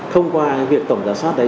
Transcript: không qua việc tổng giáo soát đấy